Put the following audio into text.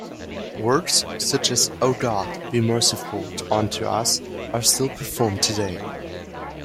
Works such as "O God, be merciful unto us" are still performed today.